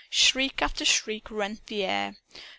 Shriek after shriek rent the air.